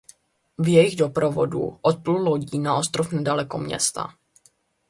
V jejich doprovodu odplul lodí na ostrov nedaleko města.